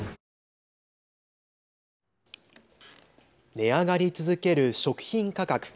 値上がり続ける食品価格。